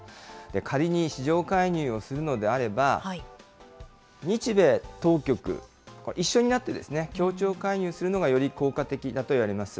仮に市場介入をするのであれば、日米当局一緒になって、協調介入するのがより効果的だといわれます。